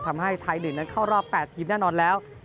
ทำให้ไทย๑นั้นเข้ารอบ๘ทีมแน่นอนแล้ว